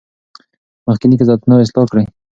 مخکني قضاوتونه اصلاح کیږي.